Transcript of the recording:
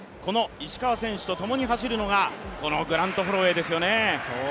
石川選手とともに走るのがグラント・ホロウェイですよね。